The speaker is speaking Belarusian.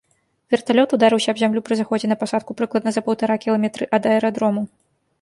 Верталёт ударыўся аб зямлю пры заходзе на пасадку прыкладна за паўтара кіламетры ад аэрадрому.